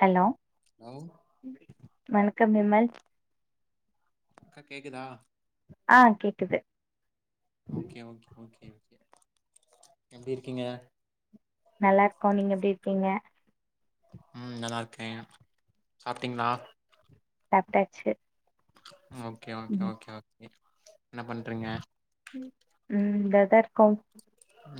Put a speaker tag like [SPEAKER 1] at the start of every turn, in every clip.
[SPEAKER 1] Hello
[SPEAKER 2] hello
[SPEAKER 1] வணக்கம் விமல்
[SPEAKER 2] அக்கா கேக்குதா
[SPEAKER 1] ஆ கேக்குது
[SPEAKER 2] ஓகே ஓகே ஓகே எப்டி இருக்கீங்க
[SPEAKER 1] நல்லா இருக்கே நீங்க எப்டி இருக்கீங்க
[SPEAKER 2] ம் நல்லா இருக்கே சாப்பிட்டீங்களா
[SPEAKER 1] சாப்டாச்சி
[SPEAKER 2] ம் ஓகே ஓகே ஓகே ஓகே என்ன பண்றீங்க
[SPEAKER 1] ம் வேதர்கவுன்டு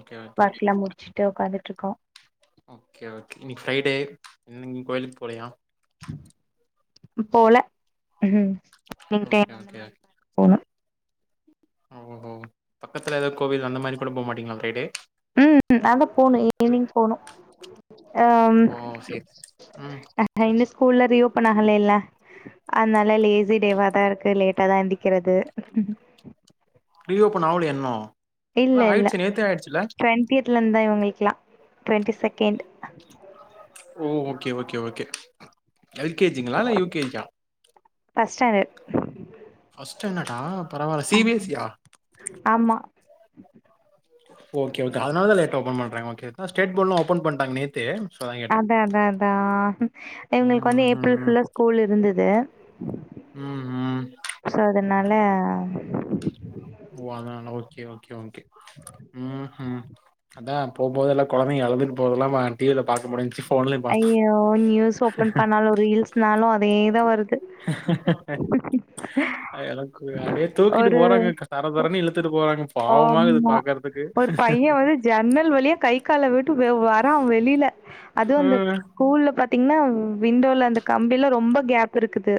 [SPEAKER 2] ஓகே ஓகே
[SPEAKER 1] பங்ச்சலா முடிச்சுட்டு உட்காந்துட்டு இருக்கோ
[SPEAKER 2] ஓகே ஓகே இன்னைக்கு ஃப்ரைடே எங்கு கோவிலுக்கு போகலையா
[SPEAKER 1] போல ம் ஈவ்னிங் டைம்
[SPEAKER 2] ஓகே
[SPEAKER 1] அந்த
[SPEAKER 2] ஓகே
[SPEAKER 1] மாரி
[SPEAKER 2] ஓகே
[SPEAKER 1] போணு
[SPEAKER 2] ஓ பக்கத்துல ஏதோ கோவில் அந்த மாரி கூட போக மாட்டீங்களா ப்ரைடே
[SPEAKER 1] ம் அதா போனு ஈவினிங் போனு ஆ
[SPEAKER 2] ஓ சேரி ம்
[SPEAKER 1] ஆ ஹ இனு ஸ்கூல்லா ரீஓப்பன் ஆகல இல்ல அதுனால லேசி டேவாதா இருக்கு லேட்டாதா எந்திரிக்கிறது
[SPEAKER 2] ரீ ஓப்பன் ஆவலையா இன்னு
[SPEAKER 1] இல்ல இல்ல
[SPEAKER 2] ஆயிடுச்சு நேத்தே ஆயிடுச்சுல்ல
[SPEAKER 1] ட்வெண்ட்டியத்லேருந்துதா இவங்களுக்கெல்லா ட்வெண்ட்டி செகண்ட்
[SPEAKER 2] ஓ ஓகே ஓகே எல் கே ஜிங்களா இல்ல யூ கே ஜா
[SPEAKER 1] ஃபஸ்ட் ஸ்டாண்டர்ட்
[SPEAKER 2] ஃபஸ்ட் ஸ்டான்டர்டா
[SPEAKER 1] ஆமா சார் ஆமா
[SPEAKER 2] ஓகே ஓகே அதனால லேட்டா ஓப்பன் பண்றாங்க ஓகே அதா ஸ்டேட் போர்ட்லா ஓப்பன் பண்ட்டாங்க நேத்தே
[SPEAKER 1] அதா அதா அதா இவுங்களுக்கு வந்து ஏப்ரல்
[SPEAKER 2] ம்ஹ்ம்.
[SPEAKER 1] ஃபுல்லா ஸ்கூல் இருந்தது
[SPEAKER 2] ம்
[SPEAKER 1] சோ அதுனால
[SPEAKER 2] போவாங்க அத்னால ஓகே ஓகே ம் ஹு அதா போம் போது எல்லா கொழந்தைங்க அழுதுட்டு போறதெல்லா ஆ டிவியில பாக்க முடிஞ்சுச்சு ஃபோன்லயும் பார்த்தேன்.
[SPEAKER 1] ஐயோ நியூஸ் ஓப்பன் பண்ணாலு ரீல்ஸ்னாலு அதே தா வருது
[SPEAKER 2] ஆ எல்லா கூட அப்டியே தூக்கிட்டு
[SPEAKER 1] ஒரு
[SPEAKER 2] போறாங்கக்கா தர தரன்னு இழுத்துட்டு போறாங்க பாவமா இருக்குது
[SPEAKER 1] ஆமா.
[SPEAKER 2] பாக்கறதுக்கு
[SPEAKER 1] ஒரு பையன் வந்து ஜன்னல் வழியா கை கால விட்டு வெ வரா வெளியில அதுவு அந்த
[SPEAKER 2] ம்.
[SPEAKER 1] ஸ்கூல்ல பாத்தீங்கன்னா விண்டோல அந்த கம்பிலா ரொம்ப கேப் இருக்குது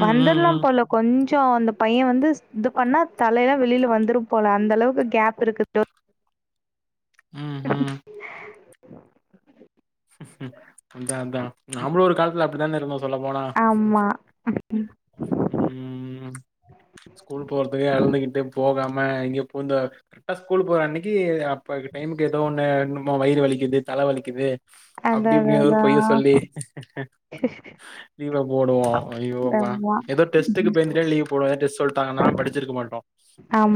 [SPEAKER 2] ம், ம்,
[SPEAKER 1] வந்துரலா
[SPEAKER 2] ம்.
[SPEAKER 1] போல கொஞ்ச அந்த பைய வந்து இது பண்ணா தலையெல்லா வெளியில வந்துரும் போல அந்தளவுக்கு கேப் இருக்கு டோர்
[SPEAKER 2] ம் ஹு அதா அதா நம்பளு ஒரு காலத்துல அப்டித்தானே இருந்தோ சொல்லப் போனா
[SPEAKER 1] ஆமா.
[SPEAKER 2] ம் ஸ்கூல் போறதுக்கே அழுதுக்கிட்டு போகாம இங்க போ இந்த கரெக்டா ஸ்கூல் போற அன்னைக்கு அப்ப டைமுக்கு ஏதோ ஒன்னு இன்னம வயிறு வலிக்குது தல வலிக்குது அப்டி
[SPEAKER 1] அதான்
[SPEAKER 2] இப்டினு
[SPEAKER 1] அதான்
[SPEAKER 2] ஏதோ ஒரு பொய்ய
[SPEAKER 1] அதான்.
[SPEAKER 2] சொல்லி லீவ போடுவோ ஐயோ அப்பா
[SPEAKER 1] ஆமா.
[SPEAKER 2] ஏதோ டெஸ்ட்டுக்கு பயந்துட்டே லீவ் போடுவோ எதா டெஸ்ட் சொ ட்டாங்கன்னா படிச்சிருக்க மாட்டோ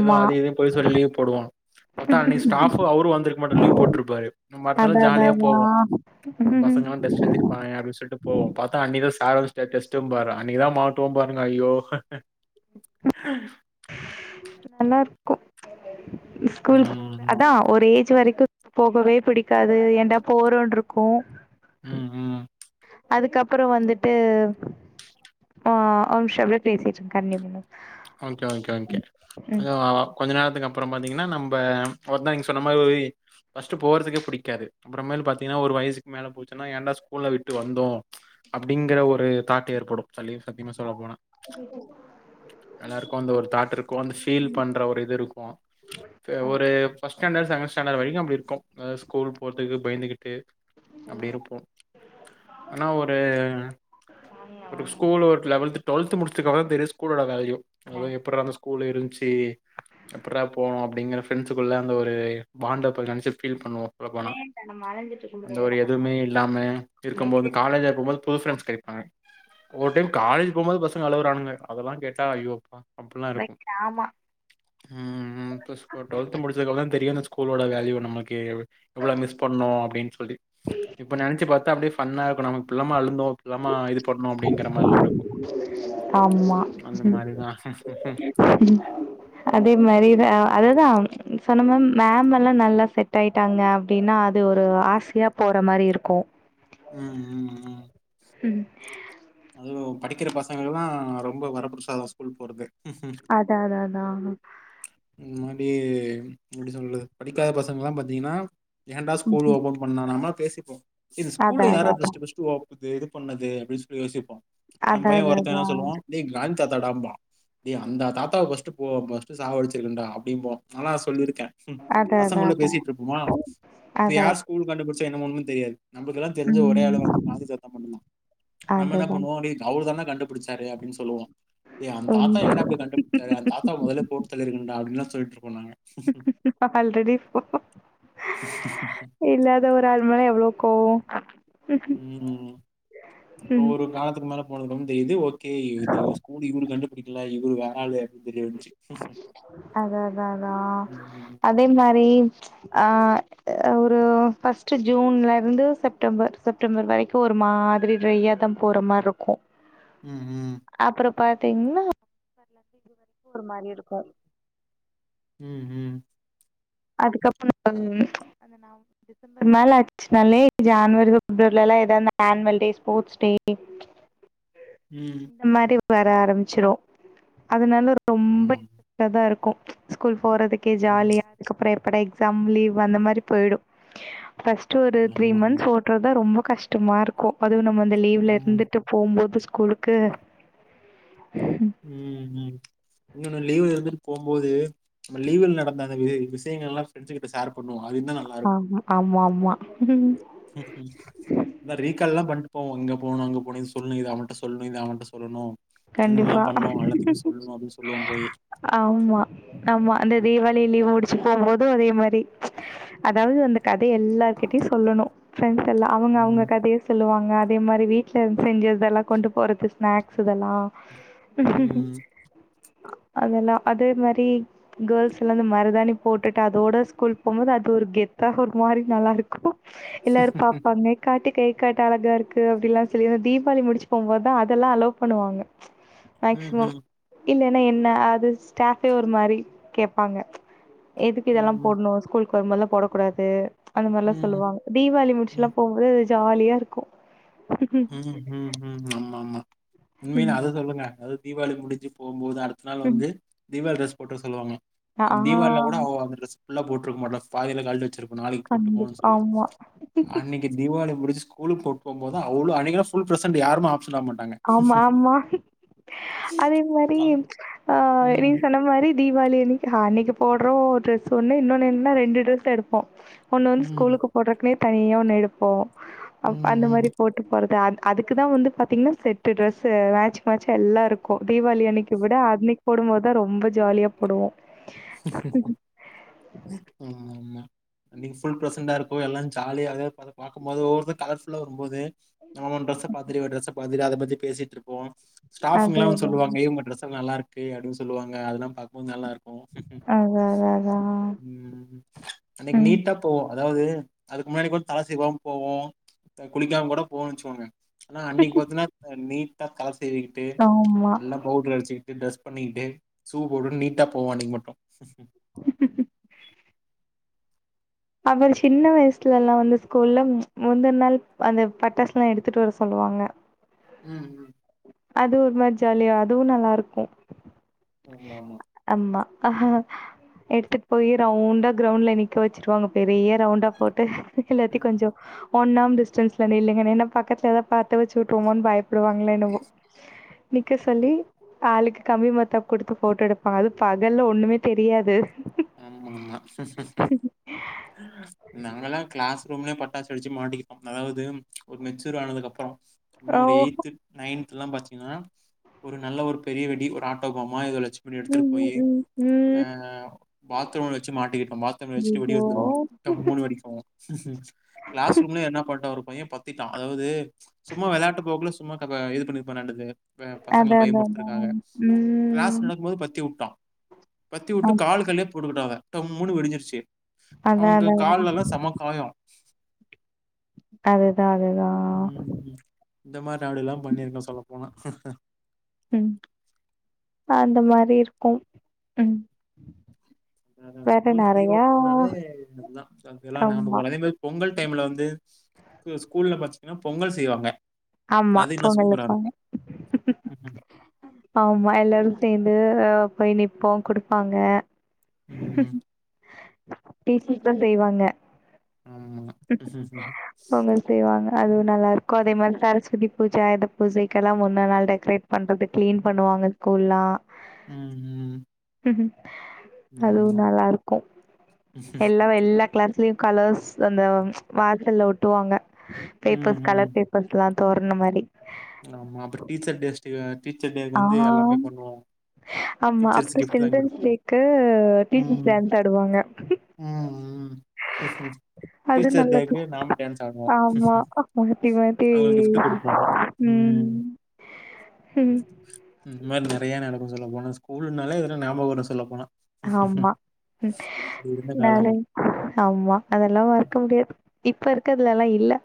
[SPEAKER 2] ஏதோ அதையு இதையு பொய் சொல்லி போடுவோ பாத்தா அன்னைக்கு ஸ்டாஃபு அவரு வந்துருக்க மாட்றாரு லீவ் போட்ருப்பாரு நம் பாத்தால
[SPEAKER 1] அடடடா
[SPEAKER 2] ஜாலியா போவோ அந்த பசங்கெல்லா டெஸ்ட் எழுதிருப்பாங்க அப்டின்னு சொல்ட்டு போவோ பாத்தா அன்னிக்கிதா சார ஸ்டெஸ்ட்டும்பாரு அன்னிக்கிதா மாட்டுவோ பாருங்க ஐயோ ஆஹ்
[SPEAKER 1] நல்லாருக்கும் ஸ்கூல் போற
[SPEAKER 2] ம்
[SPEAKER 1] அதா ஒரு ஏஜ் வரைக்கு போகவே பிடிக்காது ஏண்டா போறோன் இருக்கு
[SPEAKER 2] ம் ம்
[SPEAKER 1] அதுக்கப்புற வந்துட்டு அ ஒரு நிமிஷ அப்டியே பேசிட்டு இருங்க கண்டின்யூ பண்ணுங்க
[SPEAKER 2] ஓகே ஓகே ஒகே
[SPEAKER 1] ம்
[SPEAKER 2] அ கொஞ்ச நேரத்துக்கு அப்புறம் பார்த்தீங்கன்னா நம்ப ஒரு தான் நீங்க சொன்ன மாரி ஃபஸ்ட்டு போறதுக்கே பிடிக் க்காது அப்புறமேல் பாத்தீங்கன்னா ஒரு வயசுக்கு மேல போச்சன்னா ஏன்டா ஸ்கூல்ல விட்டு வந்தோ அப்படிங்கிற ஒரு தாட்டு ஏற்படும் சலீவ் சத்தியமா சொல்ல போனா எல்லாருக்கும் அந்த ஒரு தாட் இருக்கு அந்த ஃபீல் பண்ற ஒரு இது இருக்கு ப்ப ஒரு ஃபர்ஸ்ட் ஸ்டாண்டர்ட் செகண்ட் ஸ்டாண்டர்ட் வரைக்கு அப்படி இருக்கு ஸ்கூல் போறதுக்கு பயந்துகிட்டு அப்டி இருப்போ ஆனா ஒரு
[SPEAKER 1] வாங்கல
[SPEAKER 2] ஒரு
[SPEAKER 1] வாங்கல
[SPEAKER 2] ஸ்கூல் ஒரு லெவல்த் டுவெல்த் முடிச்சதுக்கப்புறந்தா தெரியு ஸ்கூலோட வேல்யூ அது எப்பட்றா அந்த ஸ்கூல் இருந்துச்சு எப்புட்றா போனோ அப்படிங்கிற ஃப்ரெண்ட்ஸ்க்குள்ள அங்க ஒரு பாண்டப் நினச்சு ஃபீல் பண்ணுவோ சொல்ல போனா
[SPEAKER 1] வேண்டா நம்ம அலஞ்சிட்டு இருக்க
[SPEAKER 2] அந்த
[SPEAKER 1] முடியாதுல
[SPEAKER 2] ஒரு எதுவுமே இல்லாம
[SPEAKER 1] வைக்கிறே
[SPEAKER 2] இருக்கும்போது காலேஜா இருக்கும்போது புது ஃபிரண்ஸ் கிடைப்பாங்க ஒரு டைம் காலேஜ் போம்போது பசங்க அழுவுரானுங்க அதெல்லா கேட்டா ஐயோ அப்புல்லா இருக்கு
[SPEAKER 1] ஆமா
[SPEAKER 2] ம் ம் பிளஸ் டுவெல்த் முடிச்சகப்பறம்தா தெரியு இந்த ஸ்கூலோட வேல்யூ நமக்கே எவ்வளோ மிஸ் பண்ணோ அப்படின் சொல்லி இப்ப நினைச்சு பாத்தா அப்டியே ஃபன்னா இருக்கு நம்ம இப்பில்லாமா அழுந்தோ இப்பில்லாமா இது பண்ணோ அப்டிங்கிற மாரிலா இருக்கு
[SPEAKER 1] ஆம்மா ஹு
[SPEAKER 2] ஹு ஹு ஹு
[SPEAKER 1] ம் அதே மாரி அ அதுதா சொன்னமம் மேம் எல்லா நல்லா செட் ஆயிட் ட்டாங்க அப்டின்னா அது ஒரு ஆசையா போற மாரி இருக்கு
[SPEAKER 2] ம் ம் ம்
[SPEAKER 1] ஹும்
[SPEAKER 2] அதுவு படிக்கிற பசங்கல்லா ரொம்ப வரப்பிரசாதம் ஸ்கூல் போறது ம்ஹும்
[SPEAKER 1] அதா அதா அதா
[SPEAKER 2] இந்த மாரி எப்படி சொல்றது படிக்காத பசங்க எல்லா பாத்தீங்கன்னா ஏண்டா ஸ்கூல் ஓப்பன் பண்ணா நாங்கலா பேசிப்போ ஏ இந்த
[SPEAKER 1] அதா
[SPEAKER 2] ஸ்கூல்ல
[SPEAKER 1] அதா
[SPEAKER 2] யார்ரா ஃபஸ்ட் ஃபஸ்ட் ஓப்பன் இது பண்ணது அப்படின் சொல்லி யோசிப்போ நம் பைய
[SPEAKER 1] அதான்
[SPEAKER 2] ஒருத்தன் என்ன
[SPEAKER 1] அதான்
[SPEAKER 2] சொல்லுவோ டேய் காந் தாத்தா டாம்பா டேய் அந்த தாத்தாவ ஃபஸ்ட் போ ஃபஸ்ட் சாவடிச்சுருக்கனு டா அப்டிம்போ நாலா சொல்லிருக்கே ம்
[SPEAKER 1] அதான். அதான் அதான்
[SPEAKER 2] பசங்குள்ள
[SPEAKER 1] அதான்.
[SPEAKER 2] பேசிட்டு இருப்போமா அப்ப
[SPEAKER 1] அதான்.
[SPEAKER 2] யார் ஸ்கூல் கண்டுபிடிச்சா என்ன ஒண்ணுமே தெரியாது நம்மளுக்குல்லா தெரிஞ்ச ஒரே
[SPEAKER 1] ம்.
[SPEAKER 2] ஆளு வந்து காந்தி தாத்தா மட்டுந்தா நம்ம என்ன
[SPEAKER 1] அதுதான்.
[SPEAKER 2] பண்ணுவோ டே அவருதான்டா கண்டுபிடிச்சாரு அப்படின்னு சொல்லுவோ டே அந்த தாத்தா
[SPEAKER 1] ம்.
[SPEAKER 2] ஏன்டா இப்டி கண்டுபிடிச்சாரு அந்த தாத்தா முதலே போட்டு தள்ளி இருக்கணும்டா அப்படின்லா சொல்லிட்டு இருப்போ நாங்க
[SPEAKER 1] ஆல்ரெடி போ இல்லாத ஒரு ஆள் மேல எவ்ளோ கோவோ
[SPEAKER 2] ம் அப்புற
[SPEAKER 1] ம்.
[SPEAKER 2] ஒரு காலத்துக்கு மேல போனது வந்த இது ஓகே இந்த ஸ்கூல் இவரு கண்டுபுடிக்கல இவரு வேறாலு அப்டினு தெரிய வந்துச்சு
[SPEAKER 1] அதா அதா அதா
[SPEAKER 2] உம்
[SPEAKER 1] அதே மாரி அ ஆ ஒரு ஃபர்ஸ்ட் ஜூன்ல இருந்து செப்டம்பர் செப்டம்பர் வரைக்கு ஒரு மாதிரி டிரையாதா போற மாரி இருக்கு
[SPEAKER 2] ம் ம்
[SPEAKER 1] அப்புற பாத்தீங்கன்னா ஒரு மாரி இருக்கு
[SPEAKER 2] உம் உம்
[SPEAKER 1] அதுக்கப்புறோ [unintelligible] அது நா டிசம்பர் மேல ஆச் ச்சு பண்ணி ஜேன்வரி பிப்ரவரில எல்லா எதாவது ஆனுவல் டே ஸ்போர்ட்ஸ் டே
[SPEAKER 2] ம்
[SPEAKER 1] இந்த மாரி வர ஆரம்பிச்சிரோ அதனால ரொம்ப
[SPEAKER 2] ஆமா
[SPEAKER 1] நல்லாதா இருக்கோ ஸ்கூல் போறதுக்கே
[SPEAKER 2] உம்
[SPEAKER 1] ஜாலியா அதுக்கப்புறோ எப்படா எக்ஸாம் லீவ் அந்த மாரி போயிடோ ஃபஸ்ட்டு ஒரு திரீ
[SPEAKER 2] ஆமா ஆமா
[SPEAKER 1] மந்த்ஸ் ஓட் றதா ரொம்ப கஷ்டமா இருக்கோ அதுவு நம்ம அந்த லீவ்ல
[SPEAKER 2] உம்
[SPEAKER 1] இருந்துட்டு போம்போது ஸ்கூலுக்கு
[SPEAKER 2] ம் ம் இன்னோன்னு லீவுல இருந்துட்டு போம் போது லீவுல நடந்த அந்த வி விஷயங்கள் எல்லா ஃப்ரண்ட்ஸ் கிட்ட ஷேர் பண்ணுவோ அது இன்னோ நல்லா இருக்கு
[SPEAKER 1] ஆமா ஆமா ஆமா
[SPEAKER 2] ம் ம் இன்னோ ரீகால்லா பண்ட்டு போவோ இங்க போணோ அங்க போணோ இது சொல்ணோ இது அவனிட்ட சொல்ணோ இது அவன்ட்ட சொல்ணோ
[SPEAKER 1] கண்டிப்பா
[SPEAKER 2] அப்படின்னு சொல்லுவோம் போய்.
[SPEAKER 1] ஆமா ஆமா அந்த தீபாளி அப்டியே லீவு முடிச்சு போம்போதோ அதே மாரி அதாவது அந்த கதைய எல்லார் கிட்டயு சொல்லணோ ஃப்ரெண்ட்ஸ் எல்லா அவங்க அவங்க
[SPEAKER 2] ம்,
[SPEAKER 1] கதைய சொல்லுவாங்க அதே மாரி வீட்ல இருந்து செஞ்சதெல்லா கொண்டு போறது ஸ்நாக்ஸ் இதெல்லா ம் ம்
[SPEAKER 2] ம்
[SPEAKER 1] அதெல்லா அதே மாரி கேர்ள்ஸ்லா இந்த மருதானி போட்டுட்டு அதோட ஸ்கூல் போம்போது அது ஒரு கெத்தா ஒரு மாரி நல்லா இருக்கோ எல்லாரு பாப்பாங்க காட்டு கை காட்டு அழகா இருக்கு அப்டிலா சொல்லி தீபாவளி முடிச்சு போம்போதுதா அதெல்லா அலோ பண்ணுவாங்க மேக்சிமம்
[SPEAKER 2] ம்ஹ்ம்,
[SPEAKER 1] இல்லன்னா என்ன அது ஸ்டாடே ஒரு மாரி கேப்பாங்க எதுக்கு இதெல்லா
[SPEAKER 2] ம், ம்,
[SPEAKER 1] போட்ணோ ஸ்கூலுக்கு வரும்போதுல்லா போட கூடாது அந்த
[SPEAKER 2] ம்,
[SPEAKER 1] மாரிலா
[SPEAKER 2] ம்,
[SPEAKER 1] சொல்லுவாங்க தீபாவளி முடிச்சுலா போம்போது அது ஜாலியா இருக்கோ
[SPEAKER 2] ம் ம் ம் ஆமா ஆமா உண்மையில அது சொல்லுங்க அது தீபாவளி முடிஞ்சு போம்போது அடுத் த நாள் வந்து தீபாவளி ட்ரஸ் போட்டு வர சொல்லுவாங்க
[SPEAKER 1] ஆ
[SPEAKER 2] நம்ம தீபாவில கூட அந்த ட்ரெஸ் ஃபுல்லா போட்ருக்க மாட்டோ பாதியில கழட்டு வெச்சிருப்போ நாளைக்கு போட்டு போவோனு
[SPEAKER 1] கண்டிப்பா
[SPEAKER 2] சொல்லி
[SPEAKER 1] ஆமா
[SPEAKER 2] அன்னிக் க்கி தீபாவளி முடிச்சு ஸ்கூலுக்கு போட் போம்போதுதா அவ்ளோ அன்னிக்கிதா ஃபுல் ப்ரெசென்ட்டு யாருமே ஆப்சன்ட் ஆவ மாட்
[SPEAKER 1] ஆமா ஆமா அதே மாரி
[SPEAKER 2] கல்
[SPEAKER 1] ஆ நீ
[SPEAKER 2] ம்,
[SPEAKER 1] சொன்ன மாரி தீபாவளி அன்னிக்கி போட்ற ட்ரெஸ் ஒன்னு இன்னோன்னு என்னன்னா ரெண்டு ட்ரெஸ் எடுப்போ ஒண்ணு வந்து
[SPEAKER 2] ம்.
[SPEAKER 1] ஸ்கூலுக்கு போடுறதுக்குனே தனியா ஒண்ணு எடுப்போ அ அந்த
[SPEAKER 2] ம். ம்.
[SPEAKER 1] மாரி போட்டு போறது அது அதுக்குதா வந்து பாத்தீங்னா செட்டு ட்ரெஸ் மேட்ச் மேட்ச் எல்லா இருக்கோ தீபாவளி அன்னிக்கி விட அன்னிக்கி போடும்போது தா ரொம்ப ஜாலியா போடுவோ
[SPEAKER 2] ஆமா ஆமா அன்னிக்கி ஃபுல் பிரெசண்டா இருக்கோ எல்லா ஜாலியா அதே பாக்கும்போது ஒவ்வோர்த்தரு கலர்ஃபுல்லா வரும்போது அவ ட்ரஸ்ஸ பாத்துட்டு இவ ட்ரஸ் பாத்துட்டு அத பத்தி பேசிட்ருப்போ ஸ்டாஃபுங்கல்லா
[SPEAKER 1] அதான் அதான்.
[SPEAKER 2] சொல்லுவாங்க எ உங்க ட்ரெஸுலா நல்லா இருக்கு அப்டீன்னு சொல்லுவாங்க அதெல்லா பாக்குபோது நல்லா இருக்
[SPEAKER 1] அதா அதா அதா
[SPEAKER 2] ம். அன்னைக்கு
[SPEAKER 1] ம்
[SPEAKER 2] நீட்டா போவோ அதாவது அதுக்கு முன்னாடி கூட தலை சீவாம போவோ குளிக்காம கூட போவோனு வெச்சுக்கோங்க ஆனா அன்னிக்கி பாத்தீங்ன்னா நீட்டா தலை சீவிக்கிட்டு
[SPEAKER 1] ஆமா.
[SPEAKER 2] நல்லா பவுடர் அச்சுட்டு டிரஸ் பண்ணிட்டு சூ போட்டுட்டு நீட்டா போவோ அன்னைக்கு மட்டு
[SPEAKER 1] அப்புற சின்ன வயசுல எல்லா வந்து ஸ்கூல்ல முந்தின நாள் அந்த பட்டாசு எல்லா எடுத்துட்டு வர சொல்லுவாங்க
[SPEAKER 2] ம் ம்
[SPEAKER 1] அதுவு ஒரு மாரி ஜாலியா அதுவு நல்லா இருக்கு
[SPEAKER 2] ஆமா ஆமா
[SPEAKER 1] ஆமா எடுத்துட்டு போய் ரவுண்டா கிரௌண்ட்ல நிக்க வச்சுருவாங்க பெரிய ரவுண்டா போட்டு எல்லாத்தி
[SPEAKER 2] ம்
[SPEAKER 1] கொஞ்ச ஒன்னாம் டிஸ்டன்ஸ்ல நில்லுங்க நின்ன பக்கத்துல ஏதா பாத்த வச்சு வுட்டுருவாங்களோன்னு பயப்படுவாங்களே என்னவோ நிக்க சொல்லி
[SPEAKER 2] ம்
[SPEAKER 1] ஆளுக்கு கம்பி மத்தாப்பு கொடுத்து போட்டோ எடுப்பாங்க அது பகல்ல ஒண்ணுமே தெரியாது
[SPEAKER 2] ஆமா ஆமா நாங்கல்லா கிளாஸ் ரூம்புலேயே பட்டாசு வெடிச்சு மாட்டிக்குவோ அதாவது ஒரு மெச்சூர் ஆனதுக்கு அப்பறோ இன்ன
[SPEAKER 1] ஓ
[SPEAKER 2] ஒரு எய்த் நைந்த் எல்லா படிச் சின ஒரு நல்ல ஒரு பெரிய வெடி ஒரு ஆட்டோபமா எதே வச்சு இப்டி
[SPEAKER 1] ம்
[SPEAKER 2] எடுத்துட்டு போய்
[SPEAKER 1] ம் ம்
[SPEAKER 2] ஆ
[SPEAKER 1] ம்.
[SPEAKER 2] பாத்ரூம்ல வச்சு மாட்டிக்கிட்டோ பாத்ரூம்ல வச்சுட்டு ஓடி வந்துடுவோ
[SPEAKER 1] ஐயோ
[SPEAKER 2] டம் மூனு வெடிக்கு கிளாஸ் ரூம்ல என்ன பண்ணிடா ஒரு பைய பத்திட்டா அதாவது சும்மா விளையாட்டு போக்குல சும்மா இது பண்ணிப்பானாட்டிக்குது ஆ
[SPEAKER 1] அத
[SPEAKER 2] பசங்களை
[SPEAKER 1] அத அதா
[SPEAKER 2] பயமுறத்துருக்துகா கிளாஸ்
[SPEAKER 1] ம்
[SPEAKER 2] நடக்கும் போது பத்தி விட்ட பத்தி விட்டு
[SPEAKER 1] அத
[SPEAKER 2] காலுக்கு அடியிலே போட்டுக்கிட்டாங்க அவ டம்முன்னு வெடிஞ்சிருச்சு
[SPEAKER 1] அதா
[SPEAKER 2] அவனுக்கு
[SPEAKER 1] அதா அதா
[SPEAKER 2] கால்லல்லா செமக்காயம்
[SPEAKER 1] அதுதா அதுதா
[SPEAKER 2] ம் இந்த மாரி ஆள்க எல்லா பண்ணியிருக்கோ சொல்ல போனா
[SPEAKER 1] ம் அந்த மாரி இருக்கு ம்
[SPEAKER 2] ஆ
[SPEAKER 1] வேற
[SPEAKER 2] ஸ்கூல் ரீ
[SPEAKER 1] நெறையா
[SPEAKER 2] ஓபனாலே இதுதா வேறல்லா ஞாபகோ
[SPEAKER 1] ஆமா
[SPEAKER 2] வர்றாது அதே மாரி பொங்கல் டைம்ல வந்து ஸ் ஸ்கூல்ல பாத்தீங்கன்னா பொங்கல் செய்வாங்க
[SPEAKER 1] ஆமா பொங்கல் வெப்பாக
[SPEAKER 2] ம்ம்
[SPEAKER 1] ஆமா எல்லாரு சேந்து போய் நிற்போ குடுப்பாங்க
[SPEAKER 2] ம்.
[SPEAKER 1] பேசிட்டு தா செய்வாங்க
[SPEAKER 2] ஆமா. ம்ஹும்.
[SPEAKER 1] ஆமா செய்வாங்க அதுவு நல்லா இருக்கு அதே மாரி சரஸ்வதி பூஜா இந்த ஆயுத பூஜக்கெல்லா ஒன்ன நாள் டெக்ரேட் பண்றதுக்கு கிளீன் பண்ணுவாங்க ஸ்கூல்லா
[SPEAKER 2] ம் ம்
[SPEAKER 1] அதுவு
[SPEAKER 2] ஆமாமா.
[SPEAKER 1] நல்லா இருக்கு எல்ல எல்லா கிளாஸ்லியு கலர்ஸ் அந்த வாசல்ல ஒட்டுவாங்க
[SPEAKER 2] ம்,
[SPEAKER 1] பேப்பர்ஸ்
[SPEAKER 2] ம்.
[SPEAKER 1] கலர் பேப் பத்துக்கலா தோரணம் மாரி
[SPEAKER 2] ஆமா அப்றம் டீச்சர் டேஸ் டீச்சர் டே
[SPEAKER 1] ஆ
[SPEAKER 2] வந்து எல்லாமே பண்ணுவோ
[SPEAKER 1] ஆமா அப்ற சில்ட்ரன்ஸ் டேக்கு டீச்சர்ஸ்
[SPEAKER 2] ம்.
[SPEAKER 1] டேஸ் ஆடுவாங்க
[SPEAKER 2] ம், [unintelligible]
[SPEAKER 1] அது நல்ல
[SPEAKER 2] டேக்கு நாம
[SPEAKER 1] தூக்கோ
[SPEAKER 2] டான்ஸ் ஆடுவோம்
[SPEAKER 1] ஆமாமாத்தி மாத்தி
[SPEAKER 2] அவங்களுக்கு கிஃப்ட் குடுப்போம்
[SPEAKER 1] ம் ம்
[SPEAKER 2] இந்த மாரி நெறைய நடக்கு சொல்ல போன ஸ்கூல்னாலே இதுல ஞாபகோ வரு சொல்ல போன
[SPEAKER 1] ஆமா நானே
[SPEAKER 2] காலங்கள்
[SPEAKER 1] ஆமா அதெல்லாம் மறக்க முடியாது இப்ப இருக்கதுல எல்லா இல்ல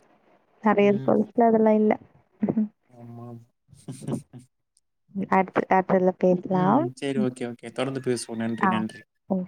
[SPEAKER 1] நறைய இருக்கு இல்ல அதெலாம் இல்ல
[SPEAKER 2] ஆமாம்
[SPEAKER 1] [unintelligible]
[SPEAKER 2] ம் சேரி ஓகே ஓகே தொடர்ந்து பேசுவோம் நன்றி
[SPEAKER 1] ஆ
[SPEAKER 2] நன்றி
[SPEAKER 1] ம்